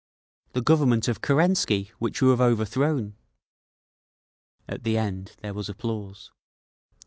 The Government of Kerensky, which you have overthrown!" At the end there was applause.